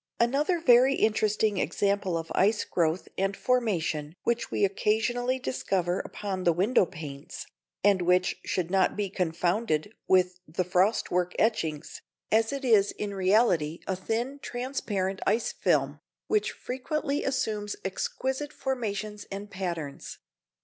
Another very interesting example of ice growth and formation which we occasionally discover upon the window panes, and which should not be confounded with the frost work etchings, as it is in reality a thin transparent ice film, which frequently assumes exquisite formations and patterns.